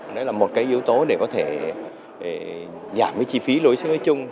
đấy là một cái yếu tố để có thể giảm cái chi phí lối xứ nói chung